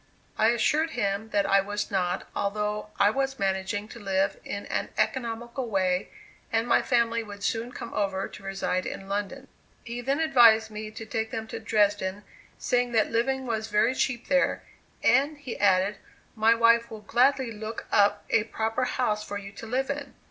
I assured him that I was not, although I was managing to live in an economical way and my family would soon come over to reside in London. He then advised me to take them to Dresden, saying that living was very cheap there; and, he added, "my wife will gladly look up a proper house for you to live in."